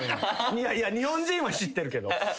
いやいや日本人は知ってるけど。